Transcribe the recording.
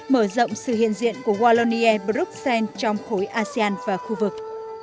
mở rộng sự hiện diện của wallonierre bruxelles trong khối asean và khu vực